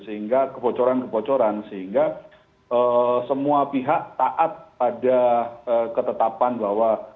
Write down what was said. sehingga kebocoran kebocoran sehingga semua pihak taat pada ketetapan bahwa